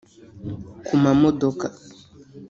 ku mamodoka